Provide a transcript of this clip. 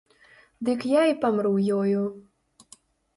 Дык я і памру ёю.